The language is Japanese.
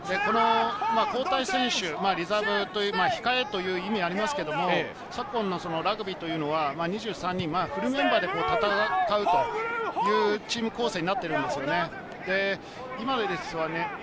交代選手、リザーブ、控えという意味もありますけど、昨今のラグビーは２３人フルメンバーで戦うというチーム構成になっているんですよね。